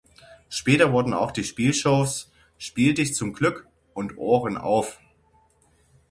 Später wurden auch die Spielshows "Spiel Dich zum Glück" und "Ohren Auf!